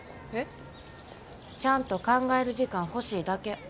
えっ？ちゃんと考える時間ほしいだけ。